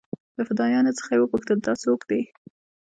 له فدايانو څخه يې وپوښتل دا سوک دې.